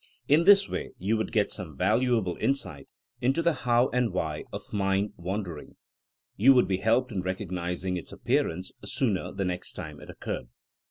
In this way you would get some val uable insight into the how and why of mind THINEINO AS A SCIENCE 83 wandering ; you would be helped in recognizing its appearance sooner the next time it occurred.